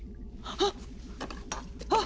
あっ！